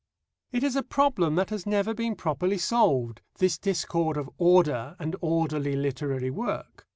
It is a problem that has never been probably solved, this discord of order and orderly literary work.